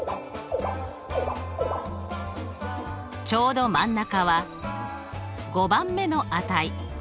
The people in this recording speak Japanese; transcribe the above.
ちょうど真ん中は５番目の値。